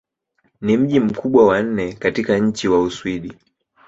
Ni mji mkubwa wa nne katika nchi wa Uswidi.